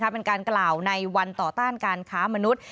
เป็นการกล่าวในวันต่อต้านการค้ามนุษย์